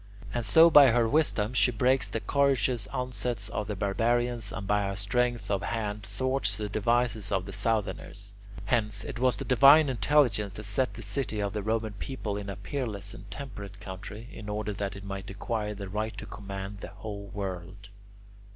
And so by her wisdom she breaks the courageous onsets of the barbarians, and by her strength of hand thwarts the devices of the southerners. Hence, it was the divine intelligence that set the city of the Roman people in a peerless and temperate country, in order that it might acquire the right to command the whole world.